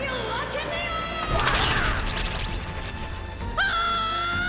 ああ！